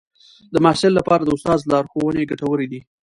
د محصل لپاره د استاد لارښوونې ګټورې دي.